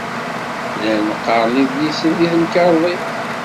Llan qqaren idlisen deg temkarḍit.